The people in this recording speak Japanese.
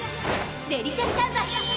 デリシャスタンバイ！